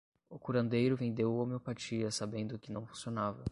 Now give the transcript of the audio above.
O curandeiro vendeu homeopatia sabendo que não funcionava